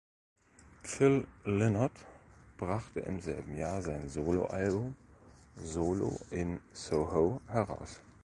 Phil Lynott brachte im selben Jahr sein Solo-Album "Solo In Soho" heraus.